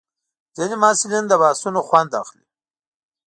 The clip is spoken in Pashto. ځینې محصلین د بحثونو خوند اخلي.